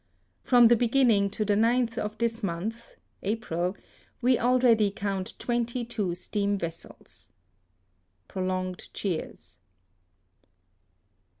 From the beginning to the 9th of this month (April) we already count twenty two steam vessels * (Prolonged cheers.)